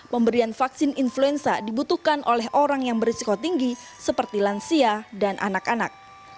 pemberian vaksin influenza dibutuhkan oleh orang yang berisiko tinggi seperti lansia dan anak anak